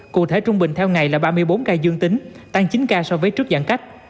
cụ thể trung bình theo ngày là ba mươi bốn ca dương tính tăng chín ca so với trước giãn cách